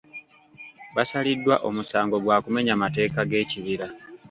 Basaliddwa omusango gwa kumenya mateeka g'ekibira.